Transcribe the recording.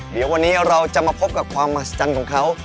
เดี๋ยววันนี้เราจะมาพบกับความมหัศจรรย์ของเขา